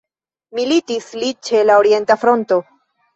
Militis li ĉe la orienta fronto.